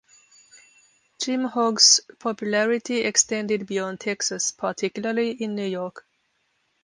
Jim Hogg's popularity extended beyond Texas, particularly in New York.